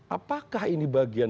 apakah ini bagian